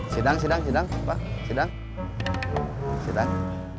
sedang sedang sedang